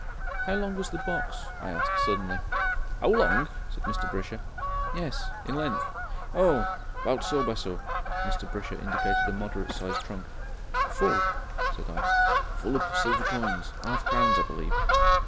"How long was the box?" I asked, suddenly. "'Ow long?" said Mr. Brisher. "Yes in length?" "Oh! 'bout so by so." Mr. Brisher indicated a moderate sized trunk. "FULL?" said I. "Full up of silver coins 'arf crowns, I believe."